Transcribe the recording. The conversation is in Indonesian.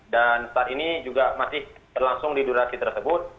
dan saat ini juga masih berlangsung di durasi tersebut